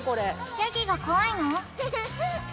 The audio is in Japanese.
ヤギが怖いの？